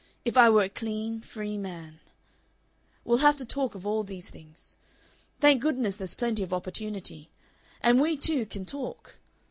If I were a clean, free man We'll have to talk of all these things. Thank goodness there's plenty of opportunity! And we two can talk.